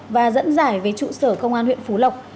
và dẫn giải về trụ sở công an huyện phú lộc